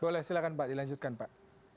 boleh silahkan pak dilanjutkan pak